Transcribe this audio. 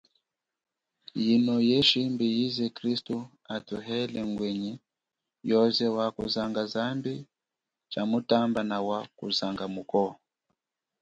Yino ye shimbi yize kristu atuhele ngwenyi yoze wakuzanga zambi chamutamba nawa kuzanga mukwo.